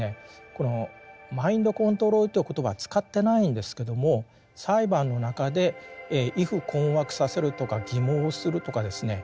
このマインドコントロールという言葉使ってないんですけども裁判の中で畏怖困惑させるとか欺罔するとかですね